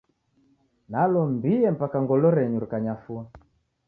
Nalombie mpaka ngolo renyu rikanyafua.